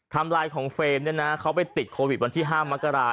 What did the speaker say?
ไลน์ของเฟรมเนี่ยนะเขาไปติดโควิดวันที่๕มกรา